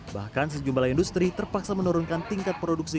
bahkan sejumlah industri terpaksa menurunkan tingkat produksi